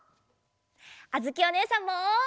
あづきおねえさんも！